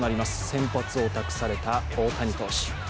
先発を託された大谷投手。